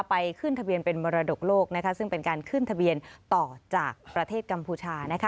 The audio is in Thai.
ไปขึ้นทะเบียนเป็นมรดกโลกซึ่งเป็นการขึ้นทะเบียนต่อจากประเทศกัมพูชา